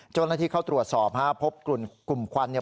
เจ้าหน้าที่เข้าตรวจสอบฮะพบกลุ่มควันเนี่ย